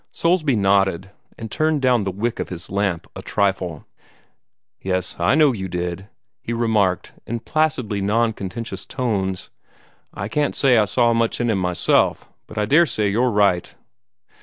Soulsby nodded, and turned down the wick of his lamp a trifle. "Yes, I know you did," he remarked in placidly non contentious tones. "I can't say I saw much in him myself, but I daresay you're right."